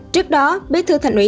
trước đó bế thư thành ủy